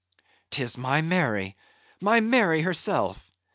"'Tis my Mary, my Mary herself!